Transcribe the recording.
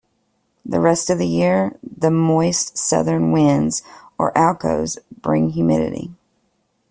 The rest of the year, the moist southern winds, or alcos, bring humidity.